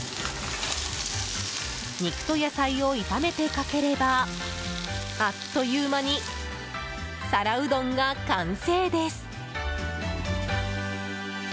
肉と野菜を炒めて、かければあっという間に皿うどんが完成です。